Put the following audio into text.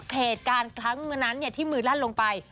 เหตุการณ์ครั้งนั้นที่มือลั่นลงไป